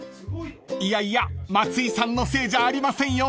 ［いやいや松井さんのせいじゃありませんよ］